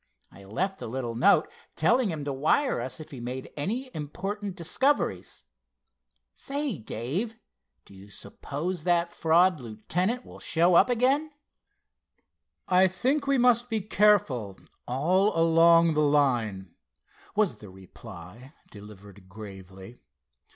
I left a little note telling him to wire us if he made any important discoveries. Say, Dave, do you suppose that fraud lieutenant will show up again?" "I think we must be careful all along the line," was the reply, delivered gravely.